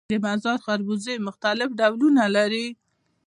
د مزار خربوزې مختلف ډولونه لري